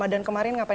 eh sebel ramely